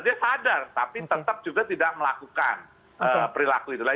dia sadar tapi tetap juga tidak melakukan perilaku itulah